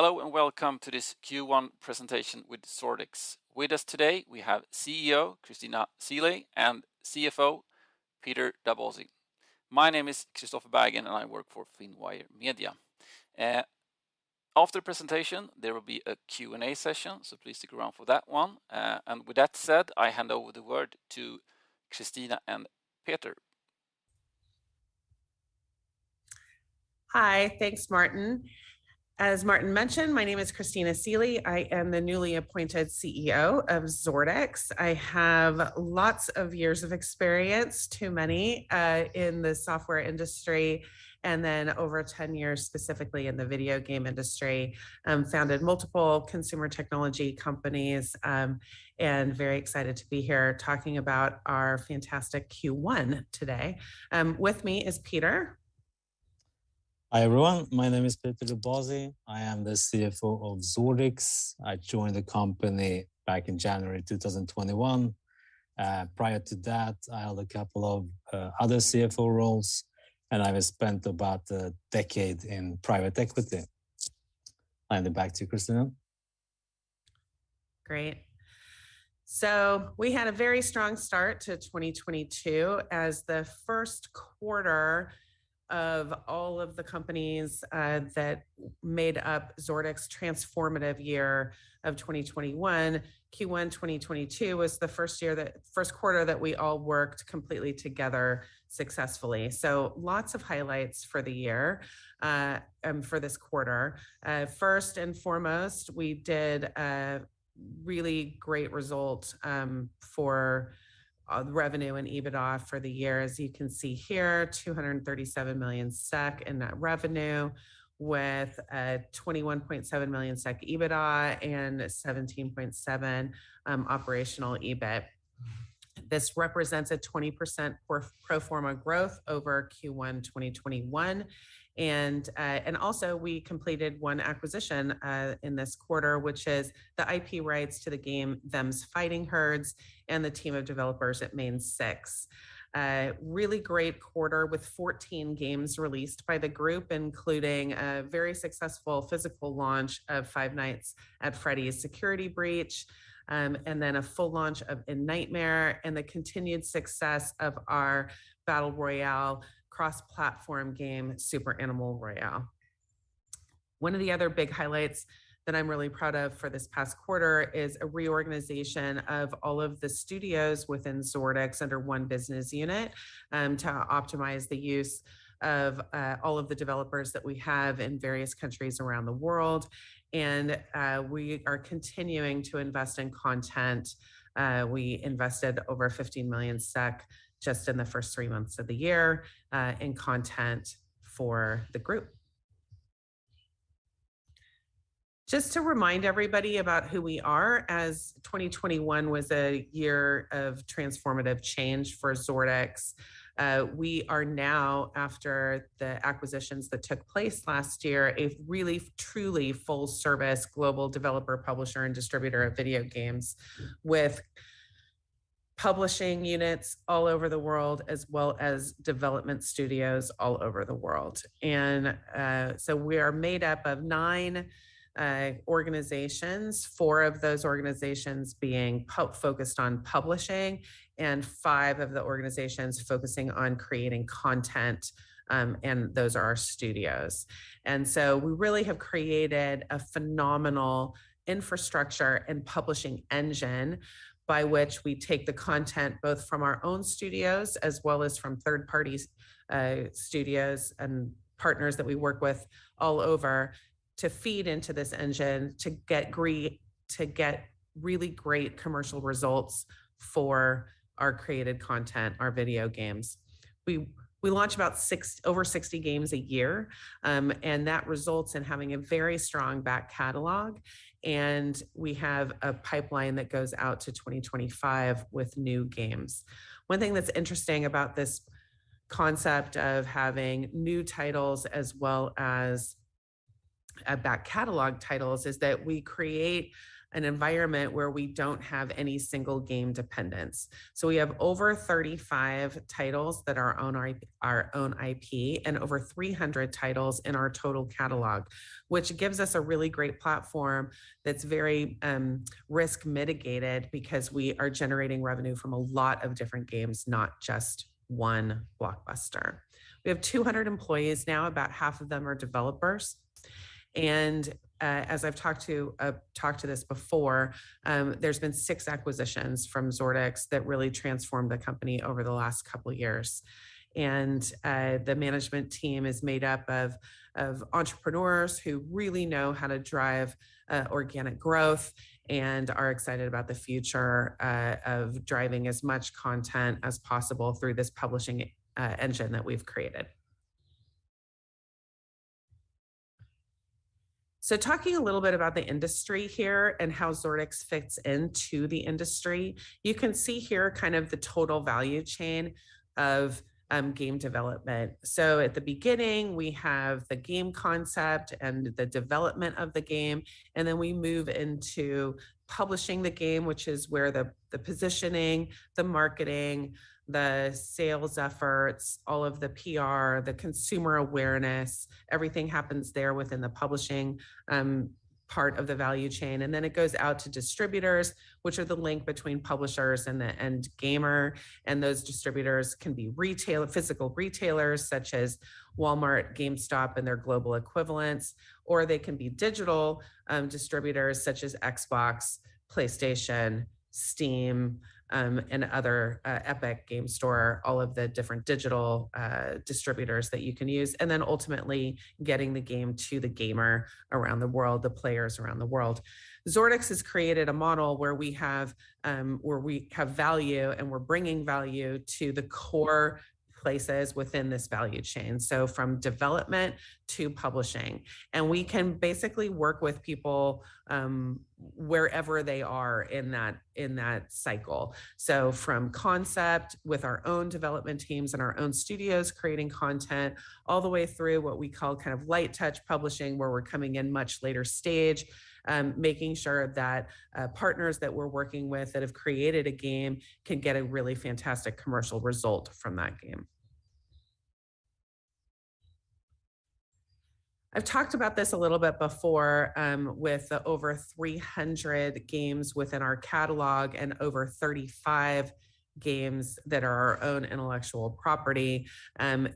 Hello and welcome to this Q1 presentation with Zordix. With us today we have CEO Christina Seelye and CFO Peter Daboczi. My name is Christoffer Westerlund and I work for Finwire Media. After presentation there will be a Q&A session, so please stick around for that one. With that said, I hand over the word to Christina and Peter. Hi. Thanks Martin. As Martin mentioned, my name is Christina Seelye. I am the newly appointed CEO of Zordix. I have lots of years of experience, too many, in the software industry, and then over 10 years specifically in the video game industry, founded multiple consumer technology companies, and very excited to be here talking about our fantastic Q1 today. With me is Peter. Hi, everyone. My name is Peter Daboczi. I am the CFO of Zordix. I joined the company back in January 2021. Prior to that, I held a couple of other CFO roles, and I spent about a decade in private equity. Handing back to Christina. Great. We had a very strong start to 2022 as the Q1 of all of the companies that made up Zordix's transformative year of 2021. Q1 2022 was the Q1 that we all worked completely together successfully. Lots of highlights for the year for this quarter. First and foremost, we did a really great result for the revenue and EBITDA for the year. As you can see here, 237 million SEK in net revenue with a 21.7 million SEK EBITDA and 17.7 million operational EBIT. This represents a 20% pro forma growth over Q1 2021. We completed one acquisition in this quarter, which is the IP rights to the game, Them's Fightin' Herds, and the team of developers at Mane6. A really great quarter with 14 games released by the group, including a very successful physical launch of Five Nights at Freddy's: Security Breach, and then a full launch of In Nightmare, and the continued success of our battle royale cross-platform game, Super Animal Royale. One of the other big highlights that I'm really proud of for this past quarter is a reorganization of all of the studios within Zordix under one business unit, to optimize the use of all of the developers that we have in various countries around the world. We are continuing to invest in content. We invested over 15 million SEK just in the first three months of the year, in content for the group. Just to remind everybody about who we are, as 2021 was a year of transformative change for Zordix, we are now after the acquisitions that took place last year, a really truly full service global developer, publisher, and distributor of video games with publishing units all over the world as well as development studios all over the world. We are made up of nine organizations, four of those organizations being focused on publishing, and five of the organizations focusing on creating content, and those are our studios. We really have created a phenomenal infrastructure and publishing engine by which we take the content both from our own studios as well as from third parties, studios and partners that we work with all over to feed into this engine to get really great commercial results for our created content, our video games. We launch over 60 games a year, and that results in having a very strong back catalog, and we have a pipeline that goes out to 2025 with new games. One thing that's interesting about this concept of having new titles as well as back catalog titles is that we create an environment where we don't have any single game dependence. We have over 35 titles that are our own IP and over 300 titles in our total catalog, which gives us a really great platform that's very risk mitigated because we are generating revenue from a lot of different games, not just one blockbuster. We have 200 employees now, about half of them are developers. As I've talked about this before, there's been six acquisitions from Zordix that really transformed the company over the last couple years. The management team is made up of entrepreneurs who really know how to drive organic growth and are excited about the future of driving as much content as possible through this publishing engine that we've created. Talking a little bit about the industry here and how Zordix fits into the industry, you can see here kind of the total value chain of game development. At the beginning, we have the game concept and the development of the game, and then we move into publishing the game, which is where the positioning, the marketing, the sales efforts, all of the PR, the consumer awareness, everything happens there within the publishing part of the value chain. Then it goes out to distributors, which are the link between publishers and the end gamer. Those distributors can be retail physical retailers such as Walmart, GameStop, and their global equivalents, or they can be digital distributors such as Xbox, PlayStation, Steam, and other Epic Games Store, all of the different digital distributors that you can use. Ultimately getting the game to the gamer around the world, the players around the world. Zordix has created a model where we have value and we're bringing value to the core places within this value chain, so from development to publishing. We can basically work with people wherever they are in that cycle. From concept with our own development teams and our own studios creating content all the way through what we call kind of light touch publishing, where we're coming in much later stage, making sure that, partners that we're working with that have created a game can get a really fantastic commercial result from that game. I've talked about this a little bit before, with the over 300 games within our catalog and over 35 games that are our own intellectual property.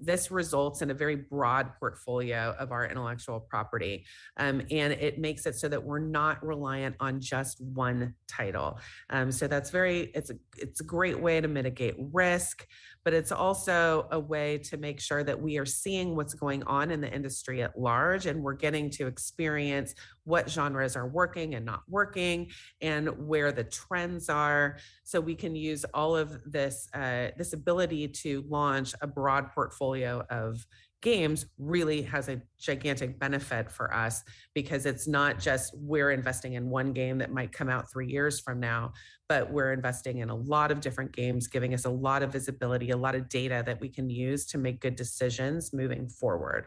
This results in a very broad portfolio of our intellectual property. It makes it so that we're not reliant on just one title. That's very... It's a great way to mitigate risk, but it's also a way to make sure that we are seeing what's going on in the industry at large, and we're getting to experience what genres are working and not working and where the trends are. We can use all of this ability to launch a broad portfolio of games really has a gigantic benefit for us because it's not just we're investing in one game that might come out three years from now, but we're investing in a lot of different games, giving us a lot of visibility, a lot of data that we can use to make good decisions moving forward.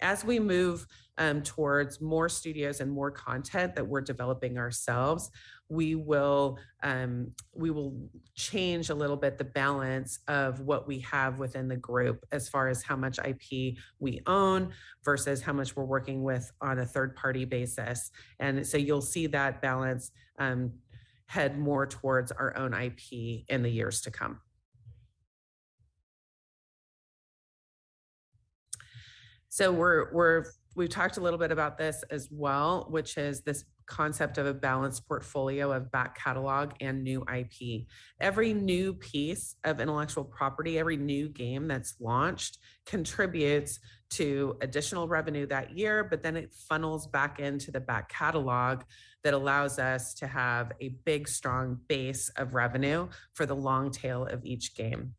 As we move towards more studios and more content that we're developing ourselves, we will change a little bit the balance of what we have within the group as far as how much IP we own versus how much we're working with on a third-party basis. You'll see that balance head more towards our own IP in the years to come. We've talked a little bit about this as well, which is this concept of a balanced portfolio of back catalog and new IP. Every new piece of intellectual property, every new game that's launched contributes to additional revenue that year, but then it funnels back into the back catalog that allows us to have a big, strong base of revenue for the long tail of each game.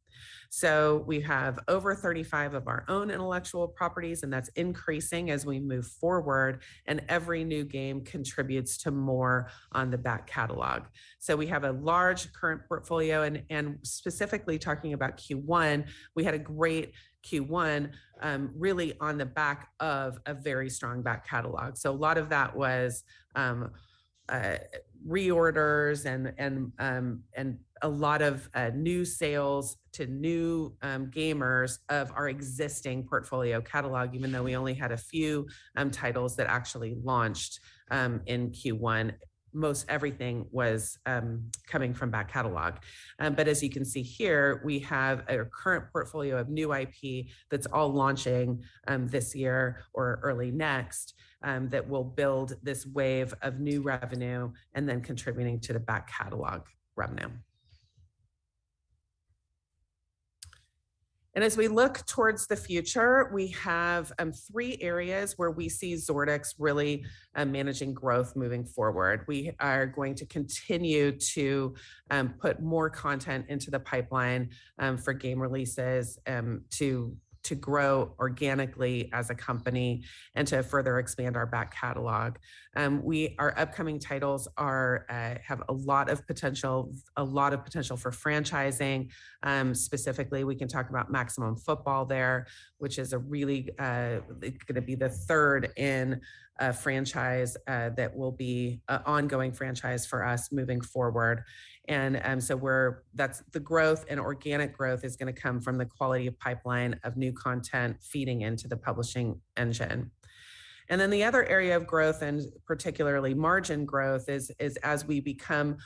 We have over 35 of our own intellectual properties, and that's increasing as we move forward, and every new game contributes to more on the back catalog. We have a large current portfolio and specifically talking about Q1, we had a great Q1, really on the back of a very strong back catalog. A lot of that was reorders and a lot of new sales to new gamers of our existing portfolio catalog, even though we only had a few titles that actually launched in Q1, almost everything was coming from back catalog. As you can see here, we have a current portfolio of new IP that's all launching this year or early next that will build this wave of new revenue and then contributing to the back catalog revenue. As we look towards the future, we have three areas where we see Zordix really managing growth moving forward. We are going to continue to put more content into the pipeline for game releases to grow organically as a company and to further expand our back catalog. Our upcoming titles have a lot of potential for franchising. Specifically, we can talk about Maximum Football there, which is a really it's gonna be the third in a franchise that will be a ongoing franchise for us moving forward. That's the growth, and organic growth is gonna come from the quality of pipeline of new content feeding into the publishing engine. The other area of growth, and particularly margin growth is as we become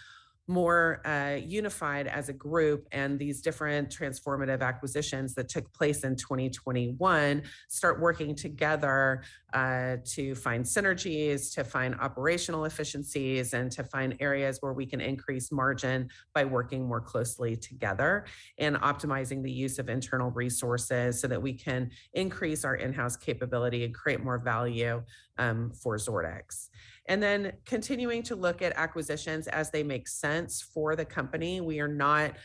more unified as a group and these different transformative acquisitions that took place in 2021 start working together to find synergies, to find operational efficiencies, and to find areas where we can increase margin by working more closely together and optimizing the use of internal resources so that we can increase our in-house capability and create more value for Zordix. Continuing to look at acquisitions as they make sense for the company. We are not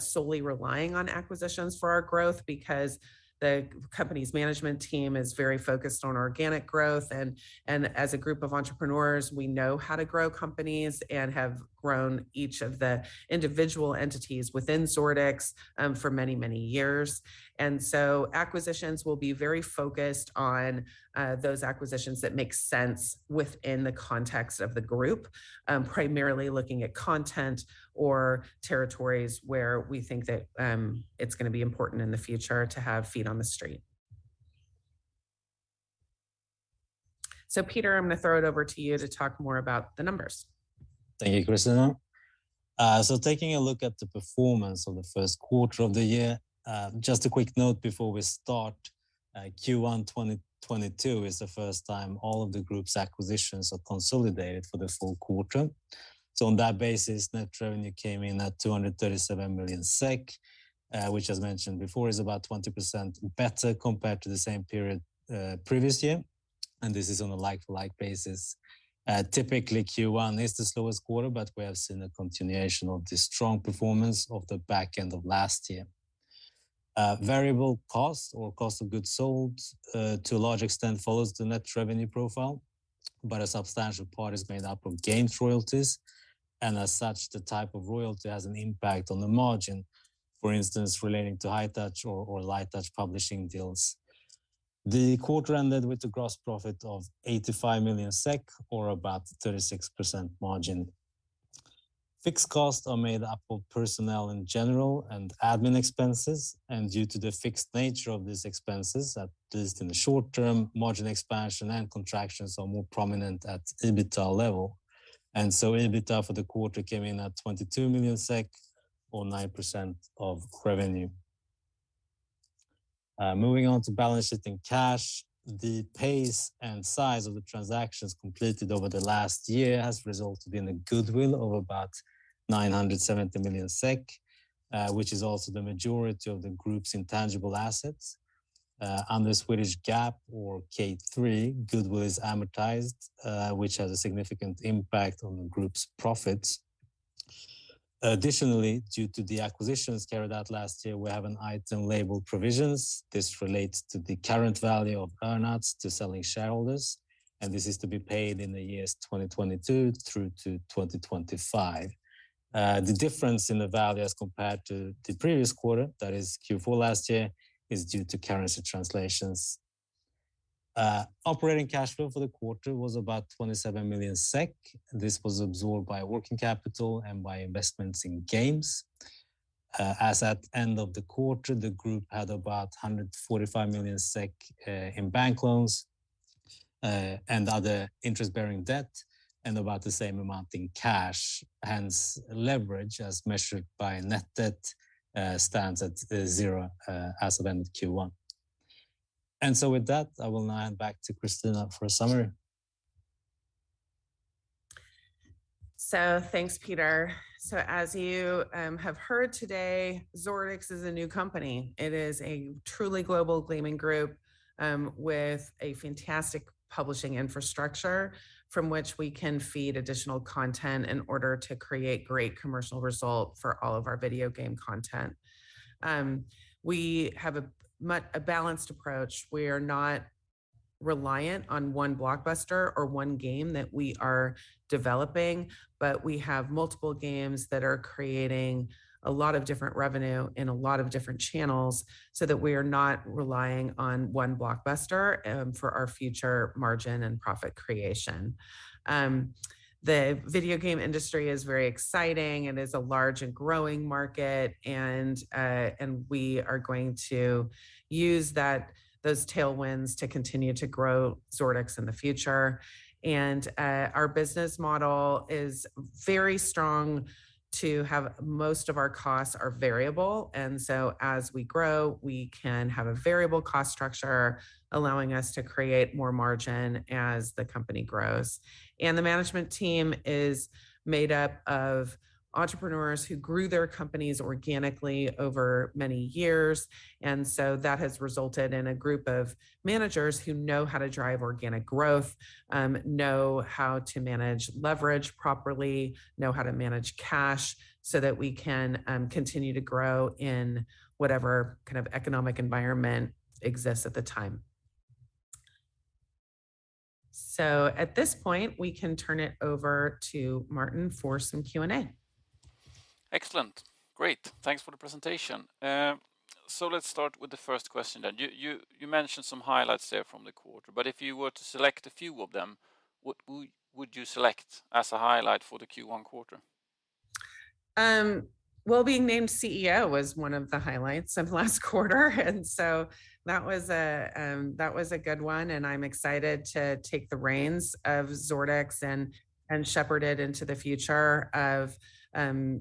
solely relying on acquisitions for our growth because the company's management team is very focused on organic growth, and as a group of entrepreneurs, we know how to grow companies and have grown each of the individual entities within Zordix for many, many years. Acquisitions will be very focused on those acquisitions that make sense within the context of the group, primarily looking at content or territories where we think that it's gonna be important in the future to have feet on the street. Peter, I'm gonna throw it over to you to talk more about the numbers. Thank you, Christina. Taking a look at the performance of the Q1 of the year, just a quick note before we start, Q1 2022 is the first time all of the group's acquisitions are consolidated for the full quarter. On that basis, net revenue came in at 237 million SEK, which as mentioned before, is about 20% better compared to the same period previous year, and this is on a like-to-like basis. Typically Q1 is the slowest quarter, but we have seen a continuation of the strong performance of the back end of last year. Variable costs or cost of goods sold, to a large extent follows the net revenue profile, but a substantial part is made up of games royalties, and as such, the type of royalty has an impact on the margin, for instance, relating to high touch or light touch publishing deals. The quarter ended with a gross profit of 85 million SEK or about 36% margin. Fixed costs are made up of personnel in general and admin expenses, and due to the fixed nature of these expenses, at least in the short term, margin expansion and contractions are more prominent at EBITDA level. EBITDA for the quarter came in at 22 million SEK or 9% of revenue. Moving on to balance sheet and cash, the pace and size of the transactions completed over the last year has resulted in a goodwill of about 970 million SEK, which is also the majority of the group's intangible assets. On the Swedish GAAP or K3, goodwill is amortized, which has a significant impact on the group's profits. Additionally, due to the acquisitions carried out last year, we have an item labeled provisions. This relates to the current value of earn-outs to selling shareholders, and this is to be paid in the years 2022 through to 2025. The difference in the value as compared to the previous quarter, that is Q4 last year, is due to currency translations. Operating cash flow for the quarter was about 27 million SEK. This was absorbed by working capital and by investments in games. As at end of the quarter, the group had about 145 million SEK in bank loans and other interest-bearing debt, and about the same amount in cash. Hence, leverage as measured by net debt stands at zero as of end Q1. With that, I will now hand back to Christina for a summary. Thanks, Peter. As you have heard today, Zordix is a new company. It is a truly global gaming group with a fantastic publishing infrastructure from which we can feed additional content in order to create great commercial result for all of our video game content. We have a balanced approach. We are not reliant on one blockbuster or one game that we are developing, but we have multiple games that are creating a lot of different revenue in a lot of different channels so that we are not relying on one blockbuster for our future margin and profit creation. The video game industry is very exciting and is a large and growing market, and we are going to use those tailwinds to continue to grow Zordix in the future. Our business model is very strong to have most of our costs are variable, and as we grow, we can have a variable cost structure allowing us to create more margin as the company grows. The management team is made up of entrepreneurs who grew their companies organically over many years, and that has resulted in a group of managers who know how to drive organic growth, know how to manage leverage properly, know how to manage cash so that we can continue to grow in whatever kind of economic environment exists at the time. At this point, we can turn it over to Martin for some Q&A. Excellent. Great. Thanks for the presentation. Let's start with the first question then. You mentioned some highlights there from the quarter, but if you were to select a few of them, what would you select as a highlight for the Q1 quarter? Well, being named CEO was one of the highlights of last quarter. That was a good one, and I'm excited to take the reins of Zordix and shepherd it into the future of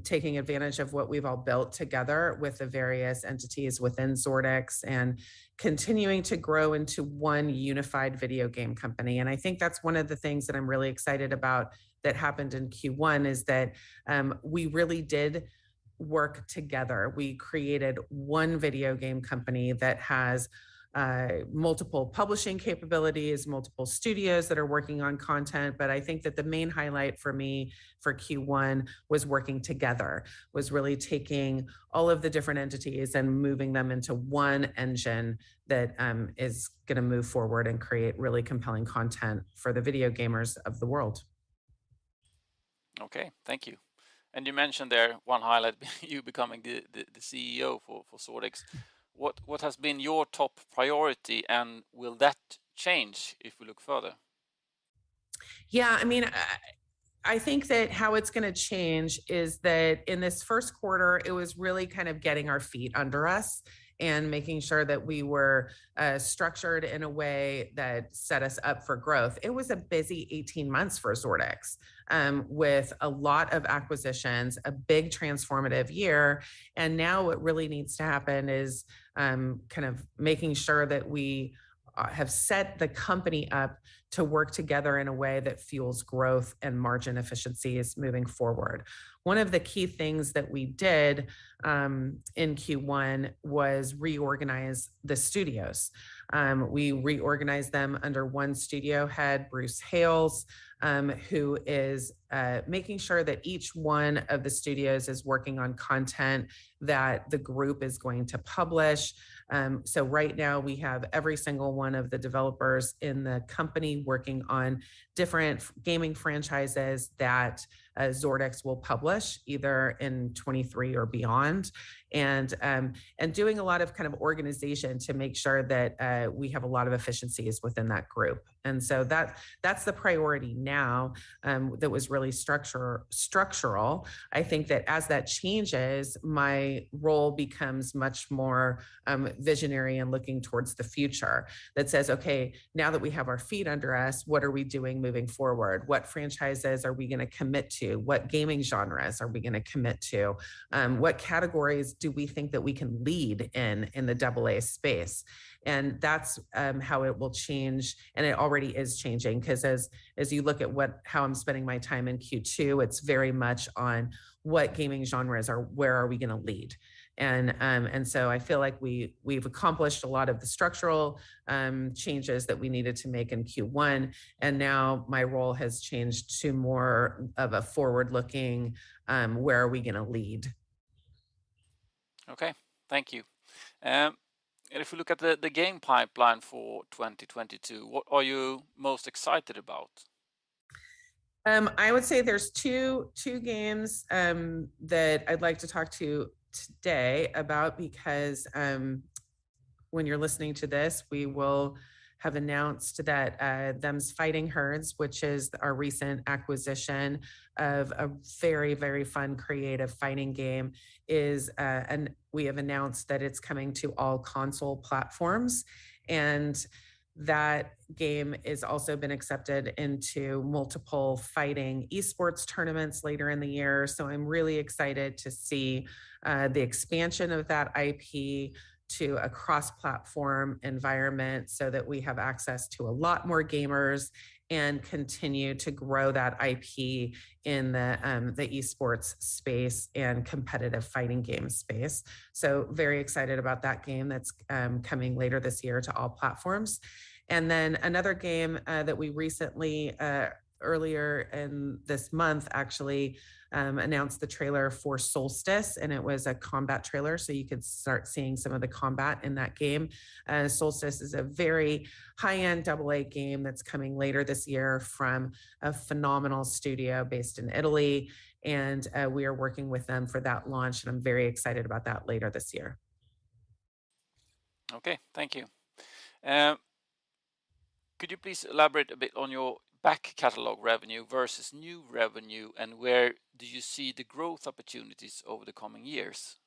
taking advantage of what we've all built together with the various entities within Zordix and continuing to grow into one unified video game company. I think that's one of the things that I'm really excited about that happened in Q1 is that we really did work together. We created one video game company that has multiple publishing capabilities, multiple studios that are working on content. I think that the main highlight for me for Q1 was working together, really taking all of the different entities and moving them into one engine that is gonna move forward and create really compelling content for the video gamers of the world. Okay. Thank you. You mentioned there one highlight, you becoming the CEO for Zordix. What has been your top priority, and will that change if we look further? Yeah, I mean, I think that how it's gonna change is that in this Q1, it was really kind of getting our feet under us and making sure that we were structured in a way that set us up for growth. It was a busy 18 months for Zordix, with a lot of acquisitions, a big transformative year, and now what really needs to happen is kind of making sure that we have set the company up to work together in a way that fuels growth and margin efficiency as we move forward. One of the key things that we did in Q1 was reorganize the studios. We reorganized them under one Studio Head, Bruce Hales, who is making sure that each one of the studios is working on content that the group is going to publish. Right now we have every single one of the developers in the company working on different gaming franchises that Zordix will publish either in 2023 or beyond, and doing a lot of kind of organization to make sure that we have a lot of efficiencies within that group, and so that that's the priority now, that was really structural. I think that as that changes, my role becomes much more visionary and looking towards the future that says, "Okay, now that we have our feet under us, what are we doing moving forward? What franchises are we gonna commit to? What gaming genres are we gonna commit to? What categories do we think that we can lead in in the double A space?" That's how it will change, and it already is changing 'cause as you look at how I'm spending my time in Q2, it's very much on what gaming genres or where are we gonna lead. I feel like we've accomplished a lot of the structural changes that we needed to make in Q1, and now my role has changed to more of a forward-looking where are we gonna lead? Okay. Thank you. If we look at the game pipeline for 2022, what are you most excited about? I would say there's two games that I'd like to talk to you today about because when you're listening to this, we will have announced that Them's Fightin' Herds, which is our recent acquisition of a very fun, creative fighting game is. We have announced that it's coming to all console platforms, and that game is also been accepted into multiple fighting esports tournaments later in the year. I'm really excited to see the expansion of that IP to a cross-platform environment so that we have access to a lot more gamers and continue to grow that IP in the esports space and competitive fighting game space. Very excited about that game that's coming later this year to all platforms. Another game that we recently earlier in this month actually announced the trailer for Soulstice, and it was a combat trailer, so you could start seeing some of the combat in that game. Soulstice is a very high-end AA game that's coming later this year from a phenomenal studio based in Italy, and we are working with them for that launch, and I'm very excited about that later this year. Okay. Thank you. Could you please elaborate a bit on your back catalog revenue versus new revenue and where do you see the growth opportunities over the coming years?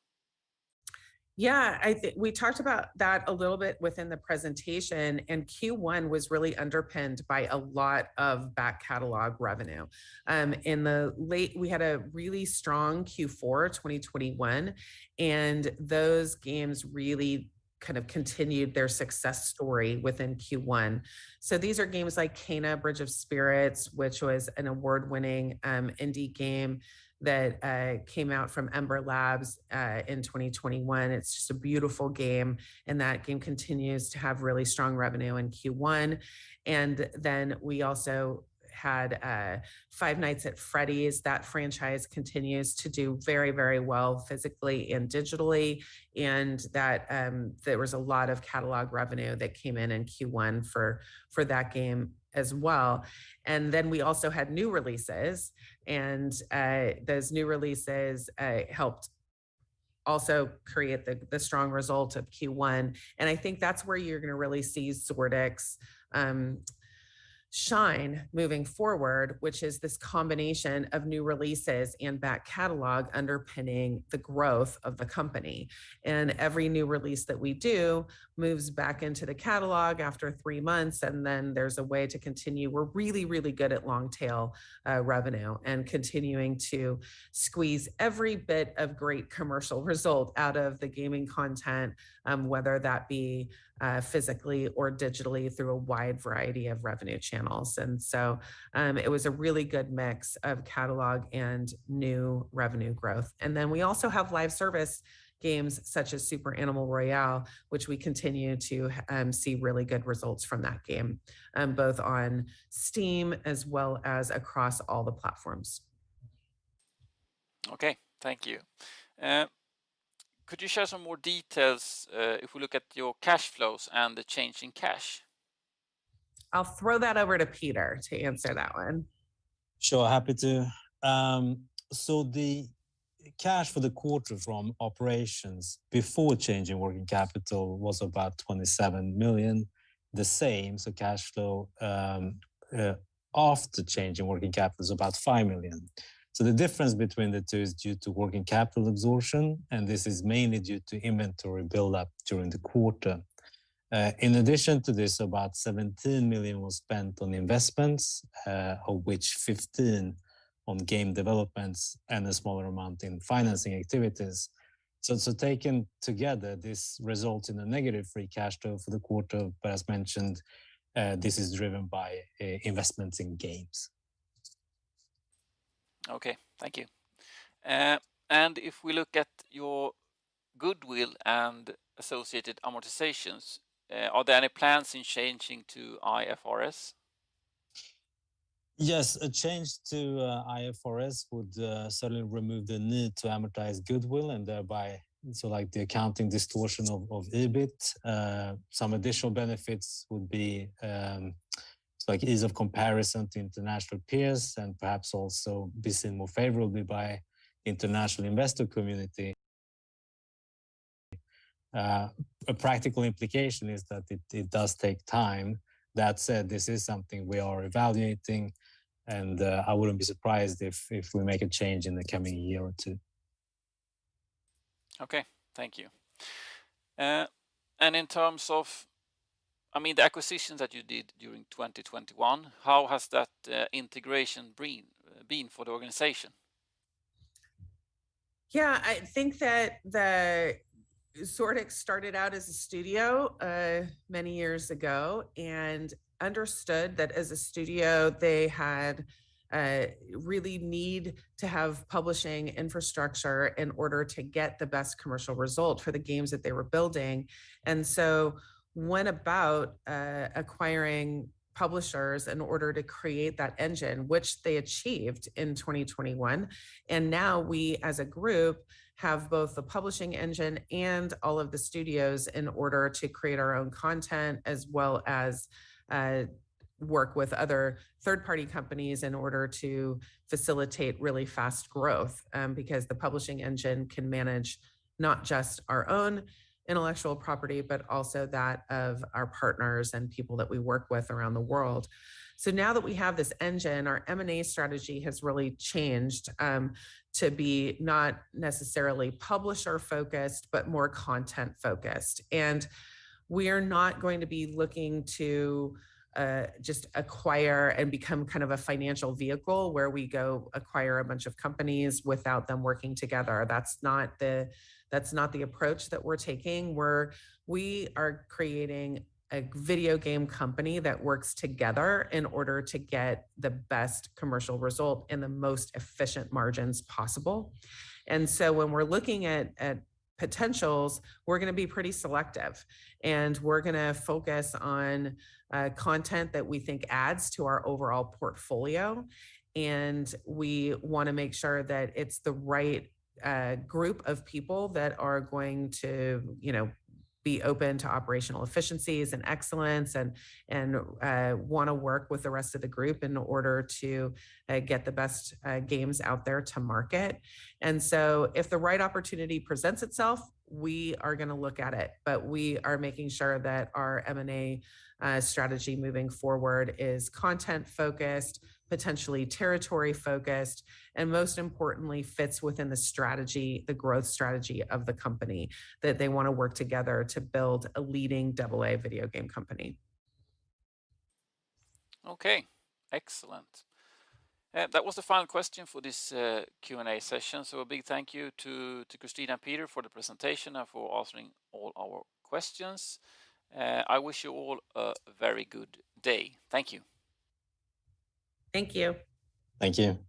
Yeah. I think we talked about that a little bit within the presentation, and Q1 was really underpinned by a lot of back catalog revenue. We had a really strong Q4 2021, and those games really kind of continued their success story within Q1. These are games like Kena: Bridge of Spirits, which was an award-winning indie game that came out from Ember Lab in 2021. It's just a beautiful game, and that game continues to have really strong revenue in Q1. We also had Five Nights at Freddy's. That franchise continues to do very, very well physically and digitally, and that there was a lot of catalog revenue that came in in Q1 for that game as well. We also had new releases, and those new releases helped also create the strong result of Q1, and I think that's where you're gonna really see Zordix shine moving forward, which is this combination of new releases and back catalog underpinning the growth of the company. Every new release that we do moves back into the catalog after three months, and then there's a way to continue. We're really good at long-tail revenue and continuing to squeeze every bit of great commercial result out of the gaming content, whether that be physically or digitally through a wide variety of revenue channels. It was a really good mix of catalog and new revenue growth. We also have live service games such as Super Animal Royale, which we continue to see really good results from that game, both on Steam as well as across all the platforms. Okay. Thank you. Could you share some more details, if we look at your cash flows and the change in cash? I'll throw that over to Peter to answer that one. Sure, happy to. The cash for the quarter from operations before change in working capital was about 27 million, the same, cash flow after change in working capital is about 5 million. The difference between the two is due to working capital absorption, and this is mainly due to inventory build-up during the quarter. In addition to this, about 17 million was spent on investments, of which 15 on game developments and a smaller amount in financing activities. Taken together, this results in a negative free cash flow for the quarter, but as mentioned, this is driven by investments in games. Okay, thank you. If we look at your goodwill and associated amortizations, are there any plans in changing to IFRS? Yes. A change to IFRS would certainly remove the need to amortize goodwill and thereby so like the accounting distortion of EBIT. Some additional benefits would be, so like ease of comparison to international peers and perhaps also be seen more favorably by international investor community. A practical implication is that it does take time. That said, this is something we are evaluating, and I wouldn't be surprised if we make a change in the coming year or two. Okay, thank you. In terms of, I mean, the acquisitions that you did during 2021, how has that integration been for the organization? Yeah. I think that Zordix started out as a studio many years ago and understood that as a studio they had a real need to have publishing infrastructure in order to get the best commercial result for the games that they were building. Went about acquiring publishers in order to create that engine, which they achieved in 2021. Now we, as a group, have both the publishing engine and all of the studios in order to create our own content as well as work with other third-party companies in order to facilitate really fast growth. Because the publishing engine can manage not just our own intellectual property, but also that of our partners and people that we work with around the world. Now that we have this engine, our M&A strategy has really changed to be not necessarily publisher-focused, but more content-focused. We are not going to be looking to just acquire and become kind of a financial vehicle where we go acquire a bunch of companies without them working together. That's not the approach that we're taking. We are creating a video game company that works together in order to get the best commercial result and the most efficient margins possible. When we're looking at potentials, we're gonna be pretty selective, and we're gonna focus on content that we think adds to our overall portfolio, and we wanna make sure that it's the right group of people that are going to, you know, be open to operational efficiencies and excellence and wanna work with the rest of the group in order to get the best games out there to market. If the right opportunity presents itself, we are gonna look at it. We are making sure that our M&A strategy moving forward is content-focused, potentially territory-focused, and most importantly, fits within the strategy, the growth strategy of the company, that they wanna work together to build a leading double-A video game company. Okay, excellent. That was the final question for this Q&A session. A big thank you to Christina and Peter for the presentation and for answering all our questions. I wish you all a very good day. Thank you. Thank you. Thank you.